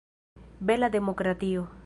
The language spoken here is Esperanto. Bela demokratio!